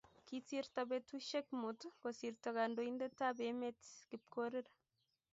Kisirto betushiek muut, kosirto kandoindetab emet Kipkorir